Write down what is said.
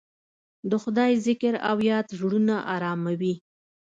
د خدای ذکر او یاد زړونه اراموي.